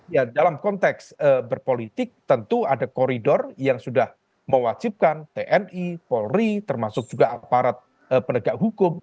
ya dalam konteks berpolitik tentu ada koridor yang sudah mewajibkan tni polri termasuk juga aparat penegak hukum